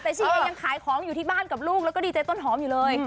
แต่ชี่เองยังขายของอยู่ที่บ้านกับลูกแล้วก็ดีใจต้นหอมอยู่เลย